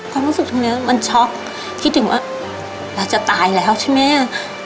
ความรู้สึกตรงนี้มันช็อกคิดถึงว่าเราจะตายแล้วใช่ไหม